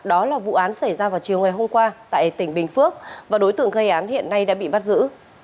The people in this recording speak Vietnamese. đó là vụ án xảy ra vào chiều ngày hôm qua tại tỉnh bình phước và đối tượng gây án hiện nay đã bị bắt giữ